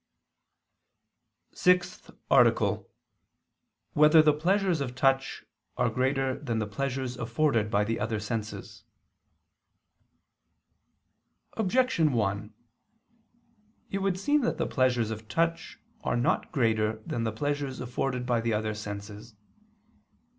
________________________ SIXTH ARTICLE [I II, Q. 31, Art. 6] Whether the Pleasures of Touch Are Greater Than the Pleasures Afforded by the Other Senses? Objection 1: It would seem that the pleasures of touch are not greater than the pleasures afforded by the other senses.